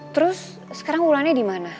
terus sekarang ulannya dimana